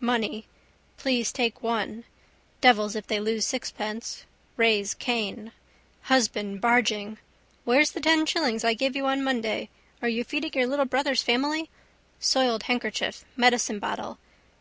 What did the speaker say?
Money. Please take one. Devils if they lose sixpence. Raise Cain. Husband barging. Where's the ten shillings I gave you on Monday? Are you feeding your little brother's family? Soiled handkerchief: medicinebottle.